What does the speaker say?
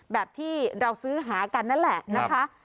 แบบที่เราซื้อหากันนั่นแหละนะคะ